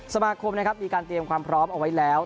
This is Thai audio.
สมาคมนะครับมีการเตรียมความพร้อมเอาไว้แล้ว